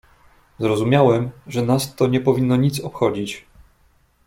"Zrozumiałem, że nas to nie powinno nic obchodzić."